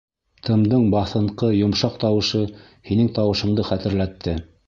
Тымдың баҫынҡы, йомшаҡ тауышы һинең тауышыңды хәтерләтте.